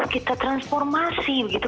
kita transformasi gitu